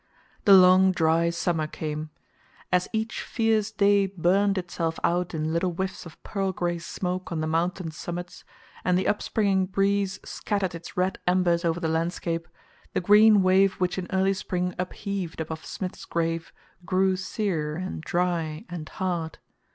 The long dry summer came. As each fierce day burned itself out in little whiffs of pearl gray smoke on the mountain summits, and the upspringing breeze scattered its red embers over the landscape, the green wave which in early spring upheaved above Smith's grave grew sere and dry and hard.